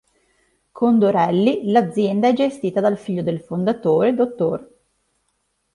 Condorelli, l'azienda è gestita dal figlio del fondatore, dott.